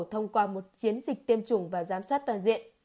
thông qua một chiến dịch tiêm chủng và giám sát toàn diện